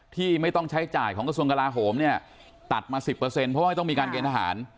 ที่ไม่ต้องใช้จ่ายของกระทรวงกลาโหมเนี่ยตัดมา๑๐เพราะว่าไม่ต้องมีการเกณฑหาร